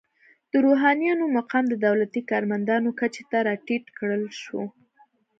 د روحانینو مقام د دولتي کارمندانو کچې ته راټیټ کړل شو.